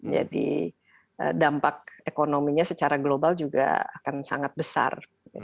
jadi dampak ekonominya secara global juga akan sangat besar